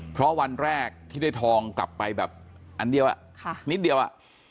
เพราะวันแรกที่ได้ทองกลับไปแบบอันเดียวนิดเดียวอ่ะ